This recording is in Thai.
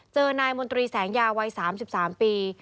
นายมนตรีแสงยาวัย๓๓ปี